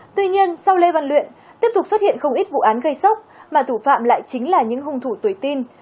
tuy nhiên sau lê văn luyện tiếp tục xuất hiện không ít vụ án gây sốc mà thủ phạm lại chính là những hung thủ tuổi tin